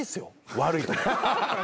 悪いとこ。